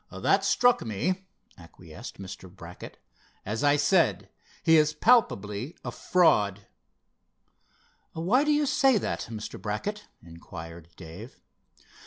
"That struck me," acquiesced Mr. Brackett. "As I said, he is palpably a fraud." "Why do you say that, Mr. Brackett?" inquired Dave.